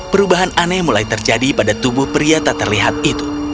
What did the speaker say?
perubahan aneh mulai terjadi pada tubuh pria tak terlihat itu